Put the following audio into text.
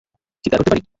চিৎকার করতে পারি?